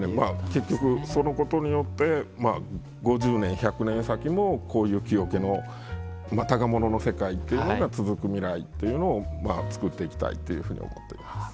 結局そのことによって５０年１００年先もこういう木桶の箍物の世界というのが続く未来というのを作っていきたいというふうに思っています。